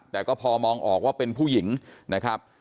แต่ก็พอมองออกว่าเป็นผู้หญิงนะครับ